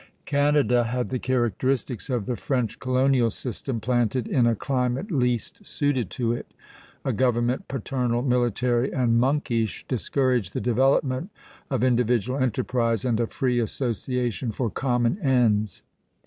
Canada had the characteristics of the French colonial system planted in a climate least suited to it. A government paternal, military, and monkish discouraged the development of individual enterprise and of free association for common ends.